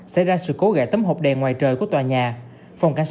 xảy ra sự cố gãi tấm hộp đèn ngoài trời của tòa nhà